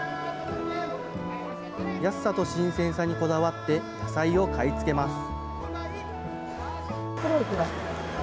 安さと新鮮さにこだわって、野菜を買い付けます。